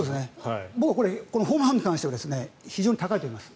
僕はホームラン王に関しては非常に高いと思います。